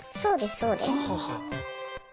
そうです。